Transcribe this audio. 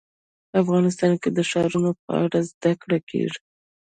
افغانستان کې د ښارونه په اړه زده کړه کېږي.